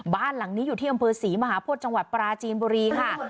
บ้านหลังนี้อยู่ที่กำพื้น๔มหาพฤตจังหวัดปราจีนโบรีค่ะ